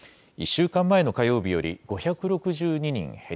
１週間前の火曜日より５６２人減